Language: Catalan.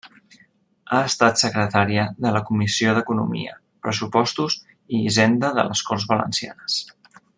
Ha estat secretària de la Comissió d'Economia, Pressupostos i Hisenda de les Corts Valencianes.